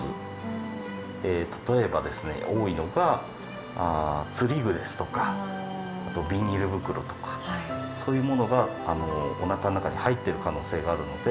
例えばですね多いのが釣り具ですとかあとはビニール袋とかそういうものがおなかの中に入ってる可能性があるので。